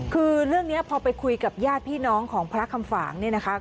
คือเรื่องนี้พอไปคุยกับญาติพี่น้องของพระคำฝางเนี่ยนะคะ